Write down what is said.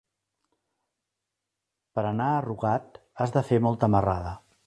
Per anar a Rugat has de fer molta marrada.